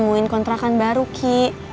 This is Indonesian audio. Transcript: nungguin kontrakan baru ki